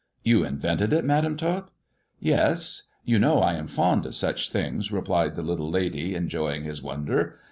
" You invented it. Madam Tot ?"" Yes. You know I am fond of such things," replied the little lady, enjoying his wonder.